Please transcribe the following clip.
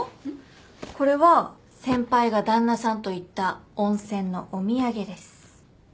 これは先輩が旦那さんと行った温泉のお土産です。